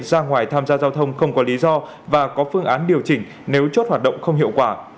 ra ngoài tham gia giao thông không có lý do và có phương án điều chỉnh nếu chốt hoạt động không hiệu quả